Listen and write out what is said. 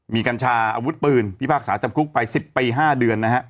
มีกัญชาอาวุธปืนพิพากษาจำคุกไป๑๐ปี๕เดือนนะฮะ